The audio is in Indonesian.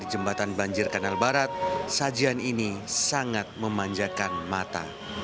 di jembatan banjir kanal barat sajian ini sangat memanjakan mata